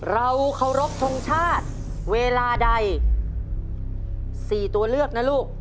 เราเคารพทรงชาติเวลาใด๔ตัวเลือกนะลูก